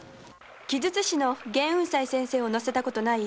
奇術師の眩雲斉先生を乗せた事ない？